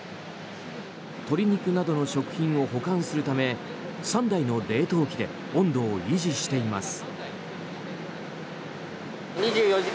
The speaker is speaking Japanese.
鶏肉などの食品を保管するため３台の冷凍機で温度を維持しています。